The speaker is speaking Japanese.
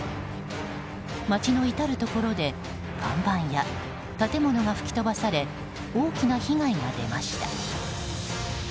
街の至るところで看板や建物が吹き飛ばされ大きな被害が出ました。